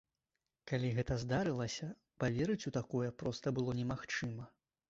Калі гэта здарылася, паверыць у такое проста было немагчыма.